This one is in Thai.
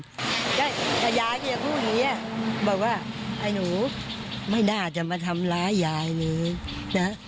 แต่ยายแกพูดอย่างนี้บอกว่าไอ้หนูไม่น่าจะมาทำร้ายยายนี้นะ